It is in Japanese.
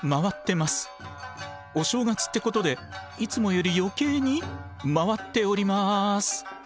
お正月ってことでいつもより余計に回っております。